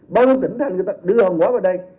bao nhiêu tỉnh thành người ta đưa hòn quả vào đây